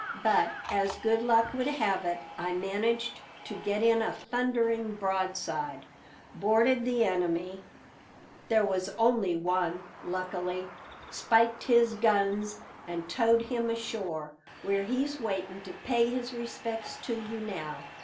But, as good luck would have it, I managed to get in a thundering broadside, boarded the enemy there was only one, luckily spiked his guns, and towed him ashore, where he's waiting to pay his respects to you now.